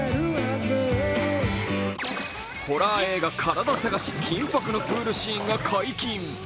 ホラー映画「カラダ探し」金箔のプールシーンが解禁。